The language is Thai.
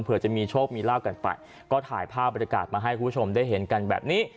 เพื่อจะมีโชคมีลาบกันไปก็ถ่ายภาพบรรยากาศมาให้คุณผู้ชมได้เห็นกันแบบนี้